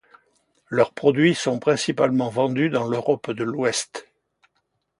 Leurs produits sont principalement vendus dans l'Europe de l'Ouest.